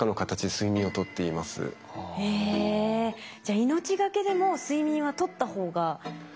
じゃあ命がけでも睡眠はとったほうがいいんですね。